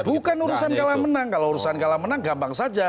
bukan urusan kalah menang kalau urusan kalah menang gampang saja